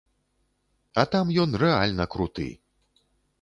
А там ён рэальна круты!